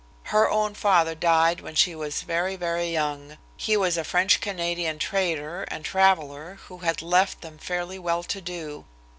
Her own father died when she was very, very young. He was a French Canadian trader and traveller who had left them fairly well to do.